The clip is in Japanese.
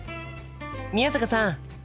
宮坂さん！